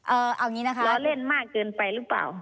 เอาอย่างนี้นะคะล้อเล่นมากเกินไปหรือเปล่า